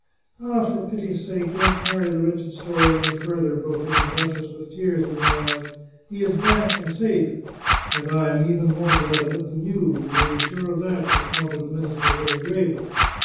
" Ah, for pity's sake, don't carry the wretched story any further," broke in the duchess with tears in her eyes. " He is back, and safe "" And I am even more glad of it than you, you may be sure of that," responded the minister very gravely.